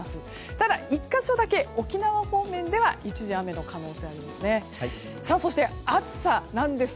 ただ１か所だけ沖縄方面では一時雨の可能性もありそうです。